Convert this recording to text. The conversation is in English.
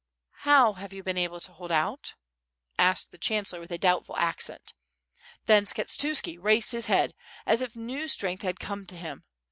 "How have you been able to hold out?" asked the chan cellor, with a doubtful accent. Then Skshetuski raised his head, as if new strength had come to him.